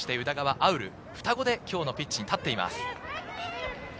潤、双子で今日のピッチに立っています。